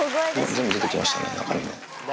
全部出てきましたね、中身。